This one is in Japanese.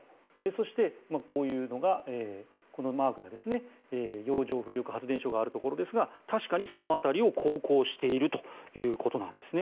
そして、このマークが洋上風力発電所があるところですが確かにその辺りを航行しているということなんです。